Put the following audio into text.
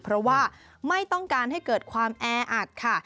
เพราะว่าไม่ต้องการให้เกิดความแออัดค่ะ